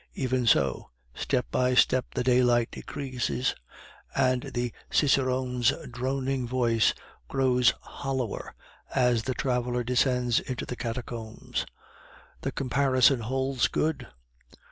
Even so, step by step the daylight decreases, and the cicerone's droning voice grows hollower as the traveler descends into the Catacombs. The comparison holds good!